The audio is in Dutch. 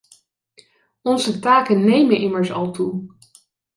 Onze taken nemen immers al toe.